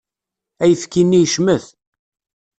Ayefki-nni yecmet.